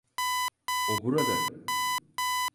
O burada.